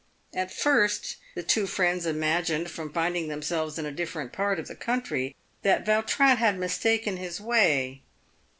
At first the two friends imagined, from finding themselves in a different part of the country, that Yautrin had mistaken his way.